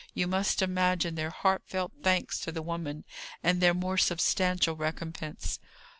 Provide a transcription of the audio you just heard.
You must imagine their heartfelt thanks to the woman, and their more substantial recompense.